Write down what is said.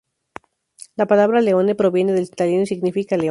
La palabra "leone" proviene del italiano y significa león.